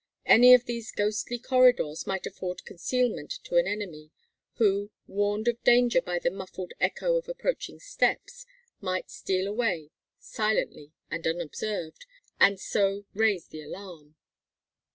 Any of these ghostly corridors might afford concealment to an enemy who, warned of danger by the muffled echo of approaching steps, might steal away, silently and unobserved, and so raise the alarm.